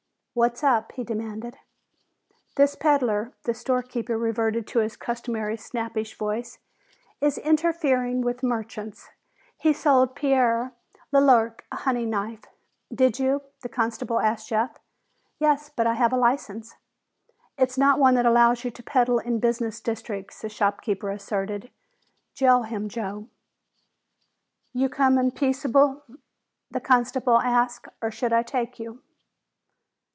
"What's up?" he demanded. "This peddler," the storekeeper reverted to his customary snappish voice, "is interfering with merchants. He sold Pierre LeLerc a hunting knife." "Did you?" the constable asked Jeff. "Yes, but I have a license." "It's not one that allows you to peddle in business districts," the storekeeper asserted. "Jail him, Joe." "You comin' peaceable?" the constable asked. "Or should I take you!"